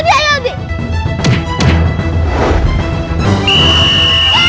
gol yang tak